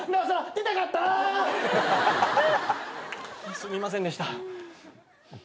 すみませんでした。